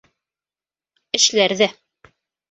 Эшләр ҙә.